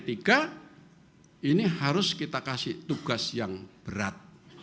ini harus kita kasih tugas yang berat